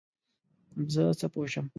زه څه پوه شم ؟